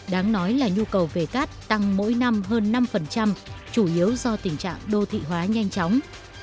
đáng nói là nhu cầu về cát tăng mỗi năm hơn năm chủ yếu do tình trạng đô thị hóa nhanh chóng